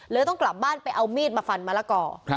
ต้องกลับบ้านไปเอามีดมาฟันมะละกอ